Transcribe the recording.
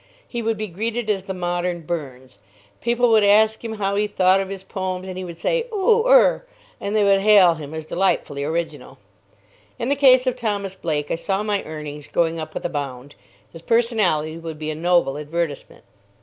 He would be greeted as the modern Burns. People would ask him how he thought of his poems, and he would say, "Oo er!" and they would hail him as delightfully original. In the case of Thomas Blake I saw my earnings going up with a bound. His personality would be a noble advertisement.